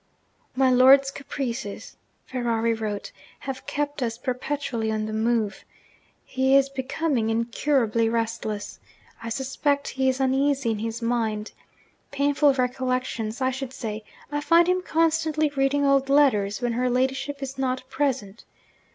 'My lord's caprices' (Ferrari wrote) 'have kept us perpetually on the move. He is becoming incurably restless. I suspect he is uneasy in his mind. Painful recollections, I should say I find him constantly reading old letters, when her ladyship is not present.